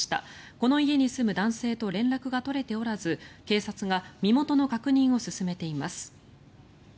この家に住む男性と連絡が取れておらず警察が身元の確認を進めています。